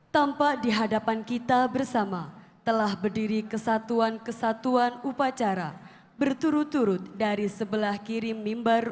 tampak di hadapan kita bersama telah berdiri kesatuan kesatuan upacara berturut turut dari sebelah kiri mimbar